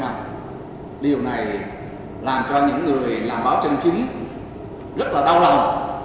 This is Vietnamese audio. và điều này làm cho những người làm báo chân chính rất là đau lòng